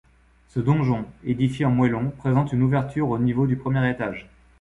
Ce donjon, édifié en moellon, présente une ouverture au niveau du premier étage.